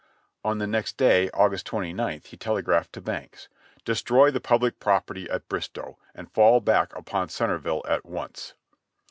On the next day, August 29th, he telegraphed to Banks : "De stroy the public property at Bristow, and fall back upon Center ville at once."